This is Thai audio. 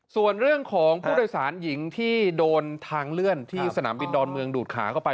ส่วนเรื่องของผู้โดยสารหญิงที่โดนทางเลื่อนที่สนามบินดอนเมืองดูดขาเข้าไป